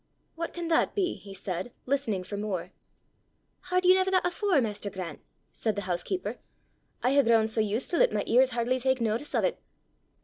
"What can that be?" he said, listening for more. "H'ard ye never that afore, maister Grant?" said the housekeeper. "I hae grown sae used til 't my ears hardly tak notice o' 't!"